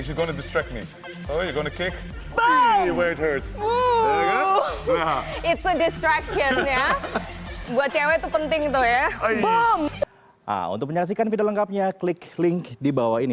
untuk menjaksikan video lengkapnya klik link di bawah ini